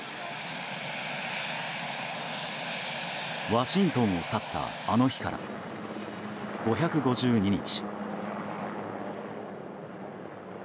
ワシントンを去ったあの日から５５２日。